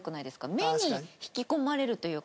目に引き込まれるというか。